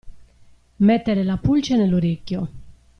Mettere la pulce nell'orecchio.